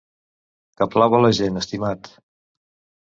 Que plau a la gent, estimat.